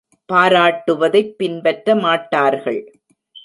பாராட்டுவதைப் பின்பற்ற மாட்டார்கள்.